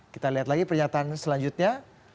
kita lihat lagi pernyataan selanjutnya